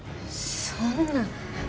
そんな。